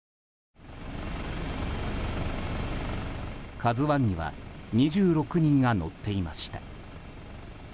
「ＫＡＺＵ１」には２６人が乗っていました。